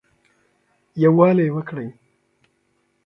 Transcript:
يووالى وکړٸ